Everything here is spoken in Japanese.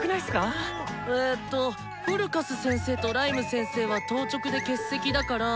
えとフルカス先生とライム先生は当直で欠席だから。